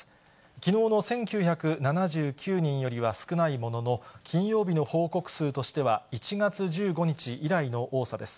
きのうの１９７９人よりは少ないものの、金曜日の報告数としては、１月１５日以来の多さです。